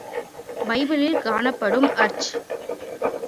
பைபிளில் காணப்படும் அர்ச்.